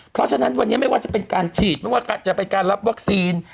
เพราะฉะนั้นวันนี้ไม่ว่าจะเป็นการฉีดไม่ว่าจะเป็นการรับวัคซีน